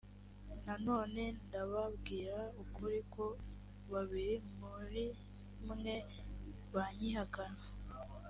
nanone ndababwira ukuri ko babiri muri mwe banyihakana